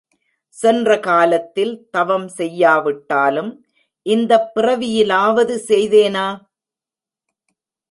சென்ற காலத்தில் தவம் செய்யாவிட்டாலும், இந்தப் பிறவியிலாவது செய்தேனா?